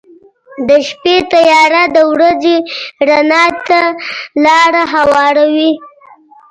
• د شپې تیاره د ورځې رڼا ته لاره هواروي.